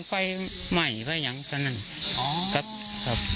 ไม่รู้จริงว่าเกิดอะไรขึ้น